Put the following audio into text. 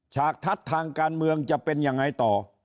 ฉากทัศน์ทางการเมืองจะเป็นยังไงต่อ